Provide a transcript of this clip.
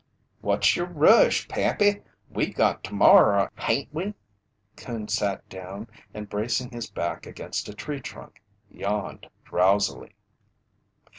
"What's yer rush, Pappy? We got termorrer, hain't we?" Coon sat down, and bracing his back against a tree trunk, yawned drowsily.